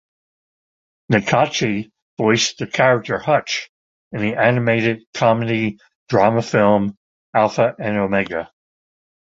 Nakauchi voiced the character "Hutch" in the animated comedy drama film, "Alpha and Omega".